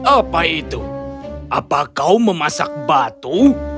apa itu apa kau memasak batu